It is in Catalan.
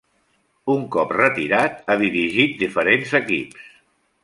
Un cop retirat, ha dirigit diferents equips.